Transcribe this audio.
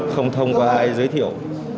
không thông qua ai giới thiệu